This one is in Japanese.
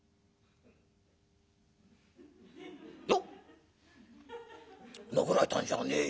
「いや殴られたんじゃねえよ」。